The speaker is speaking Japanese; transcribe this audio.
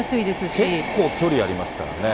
結構、距離ありますからね。